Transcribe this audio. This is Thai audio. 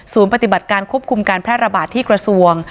ปฏิบัติการควบคุมการแพร่ระบาดที่กระทรวง